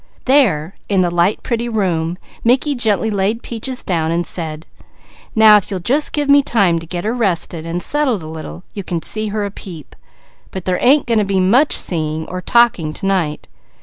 There in the light, pretty room, Mickey gently laid Peaches down and said: "Now if you'll just give me time to get her rested and settled a little, you can see her a peep; but there ain't going to be much seeing or talking to night.